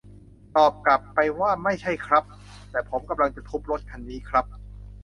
ตอบกลับไปว่า ไม่ใช่ครับ แต่ผมกำลังจะทุบรถคันนี้ครับ